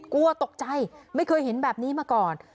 กลัวตกใจไม่เคยเห็นแบบนี้มาก่อน